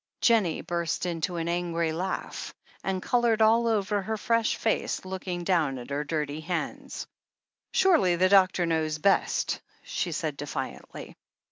Jennie burst into an angry laugh, and coloured all over her fresh face, looking down at her dirty hands. "Surely the doctor knows best," she said defiantly.